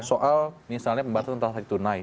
kalau misalnya pembatasan total hari tunai